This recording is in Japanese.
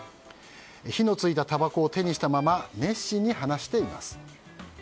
火の付いたたばこを手にしたまま熱心に話しています。